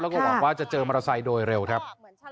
แล้วก็หวังว่าจะเจอมอเตอร์ไซค์โดยเร็วครับ